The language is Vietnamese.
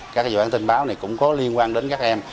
các dự án tin báo này cũng có liên quan đến các em